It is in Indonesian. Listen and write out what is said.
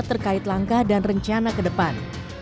terkait langkah dan rencana ke depan